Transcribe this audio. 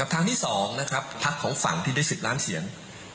ทางที่๒นะครับพักของฝั่งที่ได้๑๐ล้านเสียง